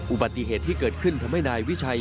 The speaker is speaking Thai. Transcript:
อุบัติเหตุที่เกิดขึ้นทำให้นายวิชัย